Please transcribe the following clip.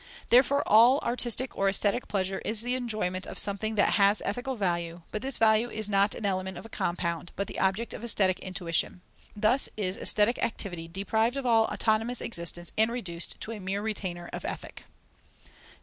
Therefore all artistic or aesthetic pleasure is the enjoyment of something which has ethical value, but this value is not an element of a compound, but the object of aesthetic intuition. Thus is aesthetic activity deprived of all autonomous existence and reduced to a mere retainer of Ethic.